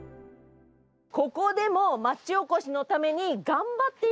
ここでも町おこしのために頑張っている方をご紹介いたします。